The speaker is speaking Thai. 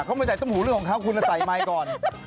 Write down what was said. ข้าวไม่ใส่ต้มหูเรื่องของข้าวคุณจะใส่ไมก่อน